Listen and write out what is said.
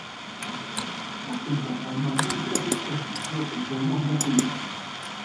Kulħadd imkaħħal mal-monitor fiċ-chatting jew fil-pornografija.